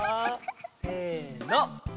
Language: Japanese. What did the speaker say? せの。